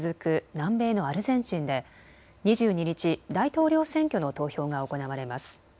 南米のアルゼンチンで２２日、大統領選挙の投票が行われます。